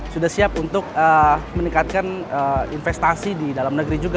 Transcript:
sudah siap untuk meningkatkan investasi di dalam negeri juga